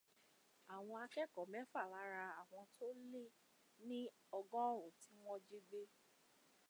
Àwọn akẹ́kọ̀ọ́ mẹ́fà lára àwọn tó le ní ọgọ́rùn tí wọ́n jí gbé